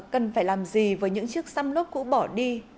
cần phải làm gì với những chiếc xăm lốp cũ bỏ đi